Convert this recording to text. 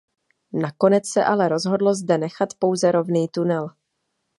Nakonec se ale rozhodlo zde nechat pouze rovný tunel.